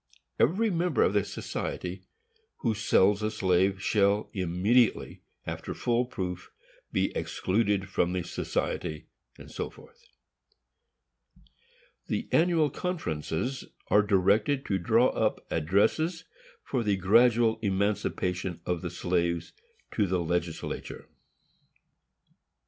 Every member of the society who sells a slave shall, immediately after full proof, be excluded from the society, &c. The Annual Conferences are directed to draw up addresses, for the gradual emancipation of the slaves, to the legislature.